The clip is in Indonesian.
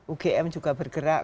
ugm juga bergerak